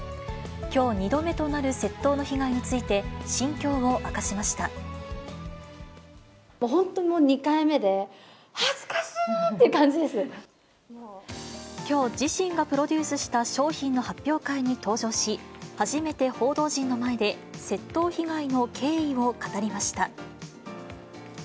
きょう２度目となる窃盗の被害にもう本当もう２回目で、きょう自身がプロデュースした商品の発表会に登場し、初めて報道陣の前で窃盗被害の経緯を語りました。